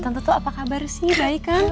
tante tuh apa kabar sih baik kan